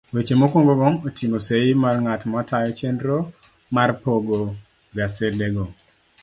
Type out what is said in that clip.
Weche mokwongogo oting'o sei mar ng'at matayo chenro mar pogo gasedego.